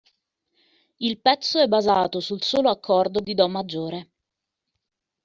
Il pezzo è basato sul solo accordo di do maggiore.